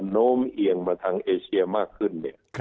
โน้มเอียงมาทางเอเชียมากขึ้นเนี่ย